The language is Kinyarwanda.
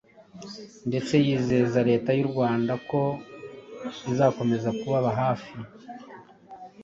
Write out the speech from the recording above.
ndetse yizeza ko Leta y’u Rwanda izakomeza kubaba hafi.